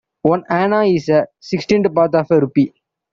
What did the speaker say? One anna is a sixteenth part of a rupee.